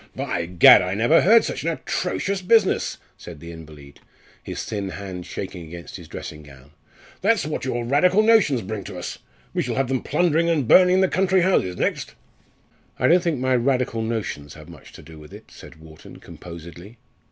"By Gad! I never heard such an atrocious business," said the invalid, his thin hand shaking against his dressing gown. "That's what your Radical notions bring us to! We shall have them plundering and burning the country houses next." "I don't think my Radical notions have much to do with it," said Wharton, composedly.